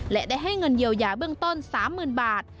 และได้ให้เงินเยียวยาเบื้องต้น๓๐๐๐บาท